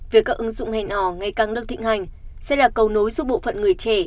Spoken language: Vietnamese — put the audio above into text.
việc các ứng dụng hẹn ảo ngày càng được thịnh hành sẽ là cầu nối giúp bộ phận người trẻ